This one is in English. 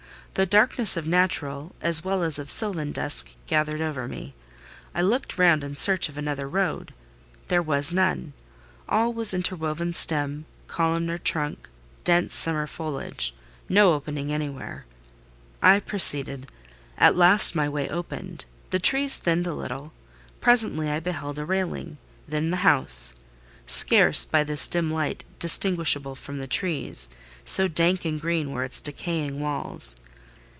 The darkness of natural as well as of sylvan dusk gathered over me. I looked round in search of another road. There was none: all was interwoven stem, columnar trunk, dense summer foliage—no opening anywhere. I proceeded: at last my way opened, the trees thinned a little; presently I beheld a railing, then the house—scarce, by this dim light, distinguishable from the trees; so dank and green were its decaying walls.